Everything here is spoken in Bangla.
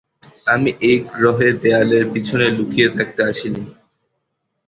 আমি এই গ্রহে দেয়ালের পিছনে লুকিয়ে থাকতে আসিনি।